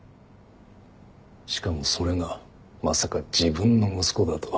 しかもそれがまさか自分の息子だとは。